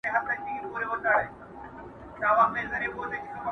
مِکروب د جهالت مو له وجود وتلی نه دی,